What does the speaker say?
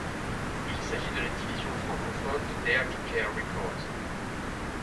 Il s'agit de la division francophone de Dare to Care Records.